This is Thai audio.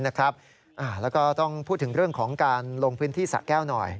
แล้วก็ต้องพูดถึงเรื่องของการลงพื้นที่สะแก้วหน่อย